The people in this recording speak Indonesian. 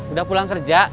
udah pulang kerja